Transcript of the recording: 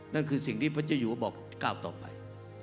นั่นคือสิ่งที่พระเจ้าอยู่ก็บอกก้าวต่อไป